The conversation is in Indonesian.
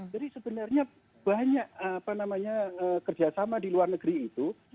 sebenarnya banyak kerjasama di luar negeri itu